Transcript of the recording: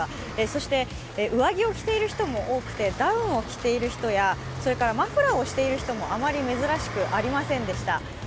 そして、上着を着ている人も多くてダウンを着ている人やマフラーをしている人もあまり珍しくありませんでした。